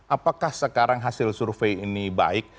apakah sekarang hasil survei ini baik